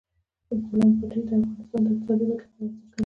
د بولان پټي د افغانستان د اقتصادي ودې لپاره ارزښت لري.